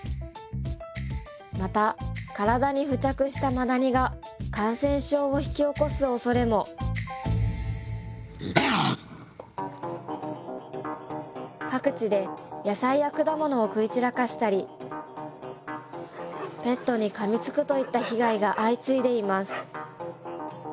また体に付着したマダニが感染症を引き起こすおそれも各地で野菜や果物を食い散らかしたりペットにかみつくといった被害が相次いでいます